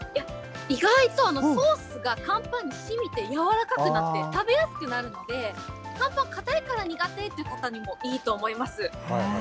意外とソースが乾パンにしみて柔らかくなって、食べやすくなるので、乾パン硬いから苦手っていう方にもいいと思います。